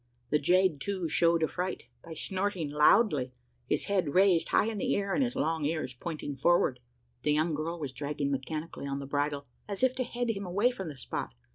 The jade, too, showed affright, by snorting loudly his head raised high in the air, and his long ears pointing forward. The young girl was dragging mechanically on the bridle as if to head him away from the spot.